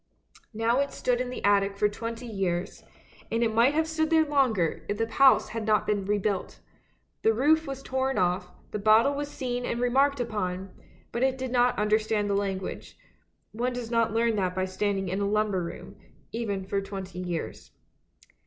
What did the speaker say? Now it stood in the attic for twenty years, and it might have stood there longer, if the house had not been rebuilt. The roof was torn off, the bottle was seen and remarked upon, but it did not understand the language; one does not learn that by stand ing in a lumber room, even for twenty years.